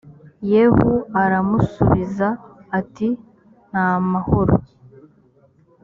yehu aramusubiza ati nta mahoro